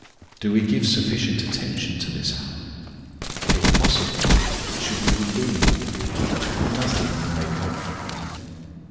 Do we give sufficient attention to this hour? If possible, it should be redeemed; nothing can make up for it.